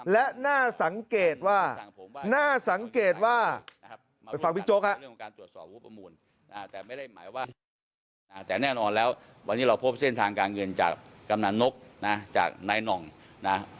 และน่าสังเกตว่าไปฟังบิ๊กโจ๊กครับ